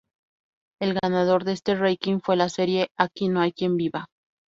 El ganador de este ranking fue la serie Aquí no hay quien viva.